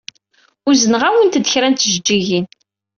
Uzneɣ-awent-d kra n tjeǧǧigin.